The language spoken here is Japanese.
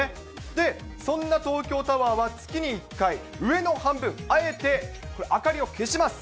で、そんな東京タワーは月に１回、上の半分、あえてこれ、明かりを消します。